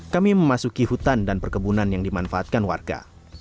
kami memasuki hutan dan perkebunan yang dimanfaatkan warga